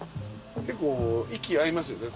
結構息合いますよね。